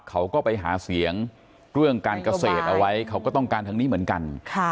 เขาก็ไปหาเสียงเรื่องการเกษตรเอาไว้เขาก็ต้องการทางนี้เหมือนกัน